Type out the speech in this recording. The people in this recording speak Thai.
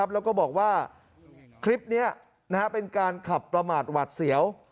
แล้วก็บอกว่าคลิปนี้เป็นการขับประมาทหวัดเสียว